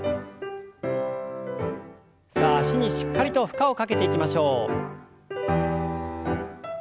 さあ脚にしっかりと負荷をかけていきましょう。